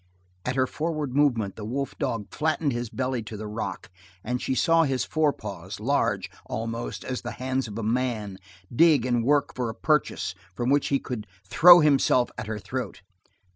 At her forward movement the wolf dog flattened his belly to the rock, and she saw his forepaws, large, almost, as the hands of a man, dig and work for a purchase from which he could throw himself at her throat.